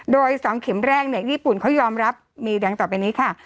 โดย๒เข็มแรกเนี่ยญี่ปุ่นเขายอมรับมีดังต่อไปนี้ค่ะ